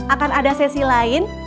akan ada sesi lain